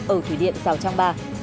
ở thủy điện giáo trang ba